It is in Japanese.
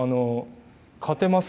勝てます！